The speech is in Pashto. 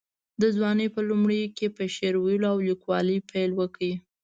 د ځوانۍ په لومړیو کې یې په شعر ویلو او لیکوالۍ پیل وکړ.